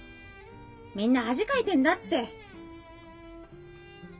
みんな恥かいてんだって。